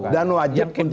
dan wajib untuk bukti